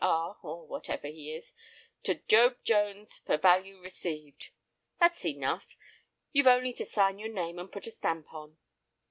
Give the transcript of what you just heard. R." (or whatever he is) to Job Jones for value received.' That's enough; you've only to sign your name and put a stamp on."